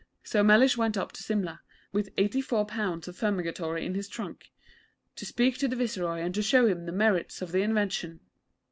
So Mellish went up to Simla, with eighty four pounds of Fumigatory in his trunk, to speak to the Viceroy and to show him the merits of the invention.